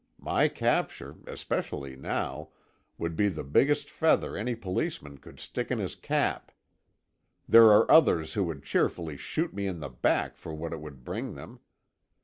My capture—especially now—would be the biggest feather any Policeman could stick in his cap. There are others who would cheerfully shoot me in the back for what it would bring them.